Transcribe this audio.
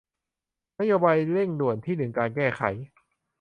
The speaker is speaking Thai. นโยบายเร่งด่วนที่หนึ่งการแก้ไข